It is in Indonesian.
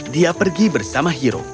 dia pergi bersama hiro